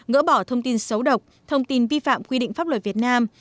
gỡ bỏ thông tin xấu độc thông tin vi phạm quy định pháp luật việt nam